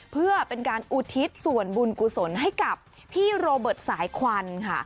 เพื่อเป็นการอุทิศส่วนบุญกุศลให้กับพี่โรเบิร์ตสายควันค่ะ